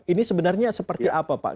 ini sebenarnya seperti apa pak